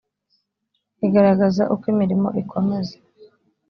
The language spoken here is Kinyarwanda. igaragaza uko imirimo ikomeza